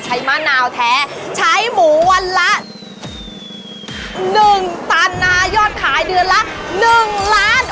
ใช้มะนาวแท้ใช้หมูวันละหนึ่งตันยอดขายเดือนละหนึ่งล้าน